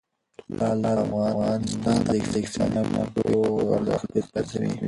لعل د افغانستان د اقتصادي منابعو ارزښت زیاتوي.